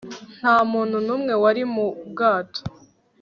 Nta muntu numwe wari mu bwato